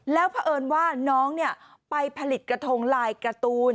แล้วเพราะเอิญว่าน้องไปผลิตกระทงลายการ์ตูน